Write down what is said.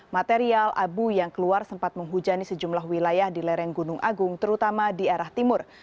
material abu yang keluar sempat menghujani sejumlah wilayah di lereng gunung agung terutama di arah timur